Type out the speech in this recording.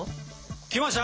きました！